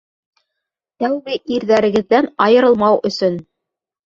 Тәүге ирҙәрегеҙҙән айырылмау өсөн!